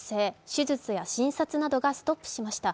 手術や診察などがストップしました。